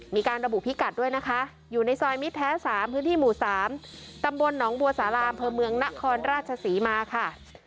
มีการระบุพิกัดด้วยนะคะอยู่ในซอยมิตรแท้๓พื้นที่หมู่๓ตำบลหนองบัวสาราอำเภอเมืองนครราชศรีมาค่ะ